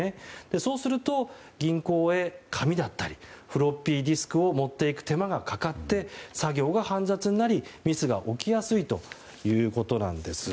そうすると、銀行へ紙であったりフロッピーディスクを持っていく手間がかかって作業が煩雑になりミスが起きやすいということなんです。